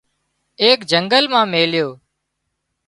ايڪ جنگل مان ميليو